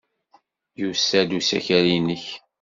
Yusa-d usakal-nnek.